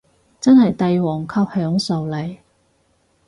真係帝王級享受嚟